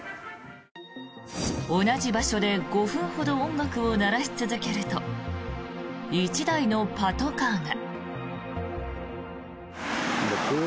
同じ場所で５分ほど音楽を鳴らし続けると１台のパトカーが。